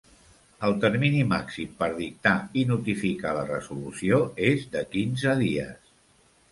El termini màxim per dictar i notificar la resolució és de quinze dies.